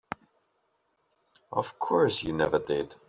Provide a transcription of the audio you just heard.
Of course you never did.